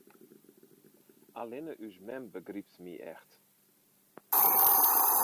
Allinne ús mem begrypt my echt.